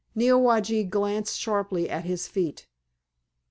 Neowage glanced sharply at his feet.